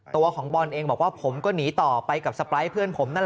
ตัวของบอลเองบอกว่าผมก็หนีต่อไปกับสไปร์พี่นผมนั่น